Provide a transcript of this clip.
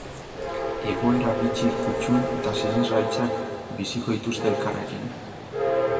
Egoera bitxi, kuttun eta sinesgaitzak biziko dituzte elkarrekin.